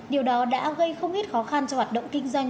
điều đó đã gây không ít khó khăn cho hoạt động kinh doanh